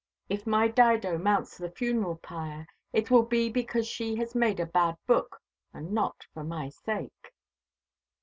If my Dido mounts the funeral pyre, it will be because she has made a bad book, and not for my sake."